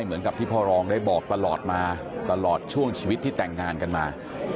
เหมือนกับที่พ่อรองได้บอกตลอดมาตลอดช่วงชีวิตที่แต่งงานกันมา